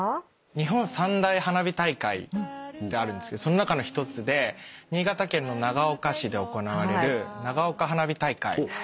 日本三大花火大会ってあるんですけどその中の一つで新潟県の長岡市で行われる長岡花火大会。